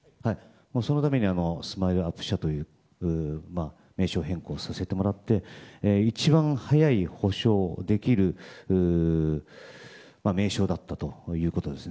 そのためにＳＭＩＬＥ‐ＵＰ．社という名称変更させてもらって一番早く補償ができる名称だったということです。